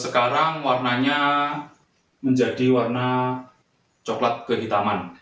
sekarang warnanya menjadi warna coklat kehitaman